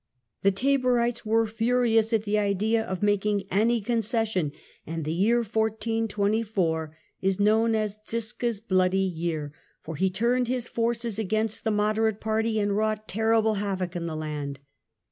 The Taborites 1424 were furious at the idea of making any concession, and the year 1424 is known as " Ziska's bloody year," for he turned his forces against the moderate party and wrought terrible havoc in the land.